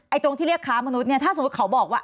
ตรงที่เรียกค้ามนุษย์เนี่ยถ้าสมมุติเขาบอกว่า